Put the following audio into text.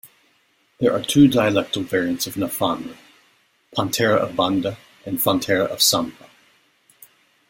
There are two dialectal variants of Nafaanra: Pantera of Banda, and Fantera of Sampa.